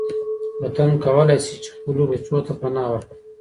وطن کولای شي چي خپلو بچو ته پناه ورکړي.